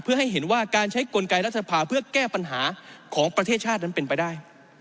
เพื่อให้เห็นว่าการใช้กลไกรัฐสภาเพื่อแก้ปัญหาของประเทศชาตินั้นเป็นไปได้